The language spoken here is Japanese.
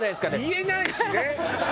言えないしね。